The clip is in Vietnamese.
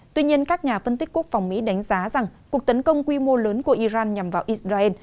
tuy nhiên các nhà phân tích quốc phòng mỹ đánh giá rằng cuộc tấn công quy mô lớn của iran nhằm vào israel